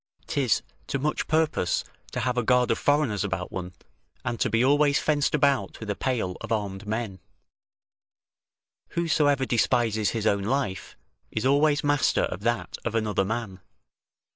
'Tis to much purpose to have a guard of foreigners about one, and to be always fenced about with a pale of armed men; whosoever despises his own life, is always master of that of another man.